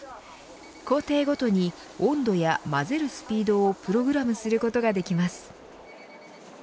工程ごとに温度や混ぜるスピードをプログラムすることができます。